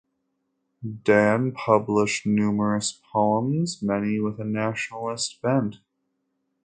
Dahn published numerous poems, many with a nationalist bent.